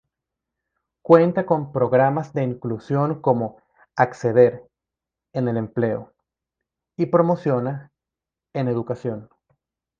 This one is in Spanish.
Cuenta con Programas de inclusión como Acceder, en el empleo.Y Promociona, en educación..